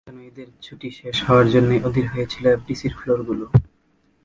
যেন ঈদের ছুটি শেষ হওয়ার জন্যই অধীর হয়ে ছিল এফডিসির ফ্লোরগুলো।